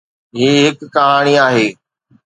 هي هڪ ڪهاڻي آهي.